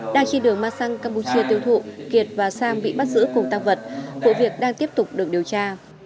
đang trên đường mang sang campuchia tiêu thụ kiệt và sang bị bắt giữ cùng tăng vật vụ việc đang tiếp tục được điều tra